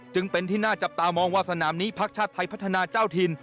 จึงเป็นที่น่าจับตามองว่าสนามนี้พักชาติไทยพัฒนาเจ้าถิ่น